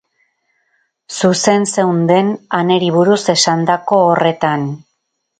Zuzen zeunden Anneri buruz esandako horretan.